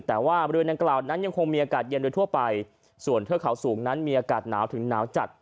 แต่ว่าบริเวณดังกล่าวนั้นยังคงมีอากาศเย็นโดยทั่วไปส่วนเทือกเขาสูงนั้นมีอากาศหนาวถึงหนาวจัด